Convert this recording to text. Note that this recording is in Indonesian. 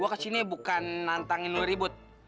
gua kesini bukan nantangin lu ribut